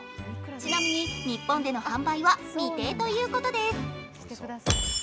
ちなみに日本での販売は未定ということです。